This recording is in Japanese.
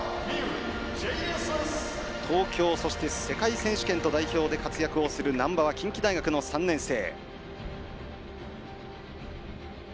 東京、そして世界選手権と代表で活躍する難波は近畿大学の３年生。